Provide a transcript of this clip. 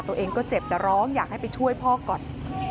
ตัวเองก็เจ็บแต่ร้องอยากให้ไปช่วยพ่อก่อน